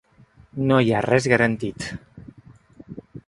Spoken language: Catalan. No hi ha res garantit.